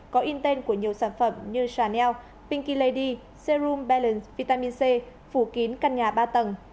có in tên của nhiều sản phẩm như chanel pinky lady serum balance vitamin c phủ kín căn nhà ba tầng